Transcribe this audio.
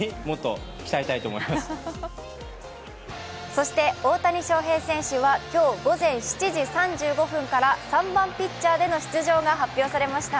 そして大谷翔平選手は今日午前７時３５分から３番・ピッチャーでの出場が発表されました。